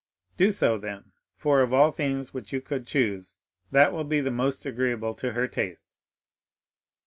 "Do so then, for of all themes which you could choose that will be the most agreeable to her taste."